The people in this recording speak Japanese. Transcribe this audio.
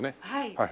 はい。